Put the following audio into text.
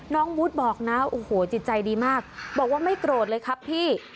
วุฒิบอกนะโอ้โหจิตใจดีมากบอกว่าไม่โกรธเลยครับพี่